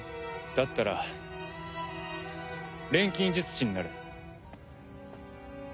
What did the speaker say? だったら錬金術師になれ。